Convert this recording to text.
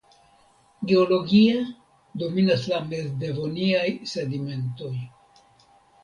Geologie dominas la mezdevoniaj sedimentoj.